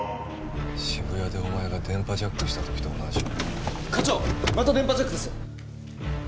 渋谷でお前が電波ジャックしたときと同じ課長また電波ジャックです！